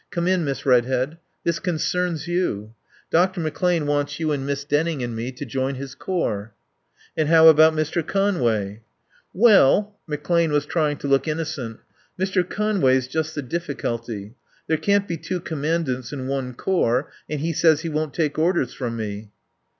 "Come in, Miss Redhead. This concerns you. Dr. McClane wants you and Miss Denning and me to join his corps." "And how about Mr. Conway?" "Well " McClane was trying to look innocent. "Mr. Conway's just the difficulty. There can't be two commandants in one corps and he says he won't take orders from me."